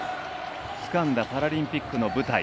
つかんだパラリンピックの舞台。